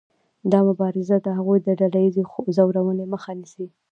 دا مبارزه د هغوی د ډله ایزې ځورونې مخه نیسي.